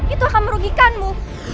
itu akan merugikanmu